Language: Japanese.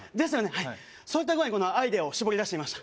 はいそういった具合にこのアイデアをしぼり出していました